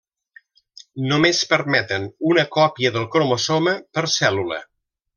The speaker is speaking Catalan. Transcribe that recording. Només permeten una còpia del cromosoma per cèl·lula.